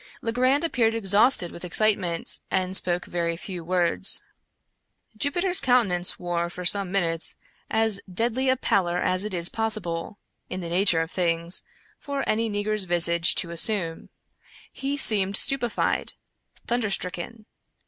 Legrand appeared exhausted with excitement, and spoke very few words. Jupiter's countenance wore, for some minutes, as deadly a pallor as it is possible, in the nature of things, for any negro's visage to assume. He seemed stupefied — thunderstricken.